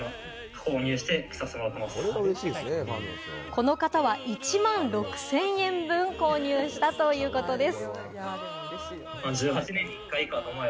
この方は１万６０００円分、購入したということなんです。